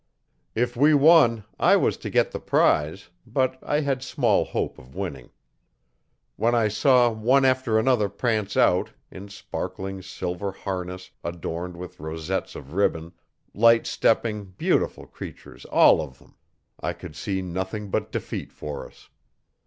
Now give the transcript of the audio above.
If we won I was to get the prize but I had small hope of winning. When I saw one after another prance out, in sparkling silver harness adorned with rosettes of ribbon light stepping, beautiful creatures all of them I could see nothing but defeat for us.